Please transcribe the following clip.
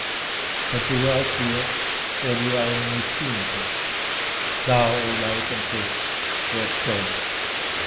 But do I see it, or do I only seem to? Thou, O Light and Truth, wilt show me.